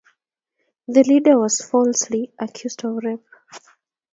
The leader was falsely accused of rape.